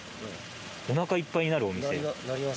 おなかいっぱいになるお店？